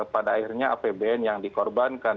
pada akhirnya apbn yang dikorbankan